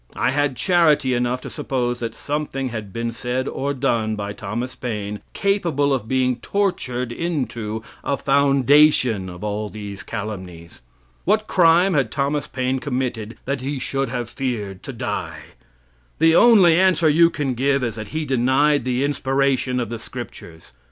I had charity enough to suppose that something had been said or done by Thomas Paine capable of being tortured into a foundation of all these calumnies. What crime had Thomas Paine committed that he should have feared to die? The only answer you can give is that he denied the inspiration of the scriptures.